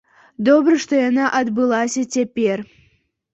Добра, што яна адбылася цяпер.